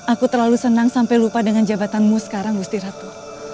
aku terlalu senang sampai lupa dengan jabatanmu sekarang gusti ratu